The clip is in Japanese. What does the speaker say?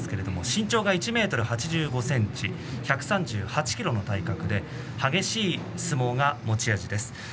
身長が１ｍ８５ｃｍ１３８ｋｇの体格で激しい相撲が持ち味です。